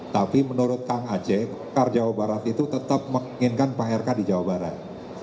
tapi menurut kang aceh kar jawa barat itu tetap menginginkan pak rk di jawa barat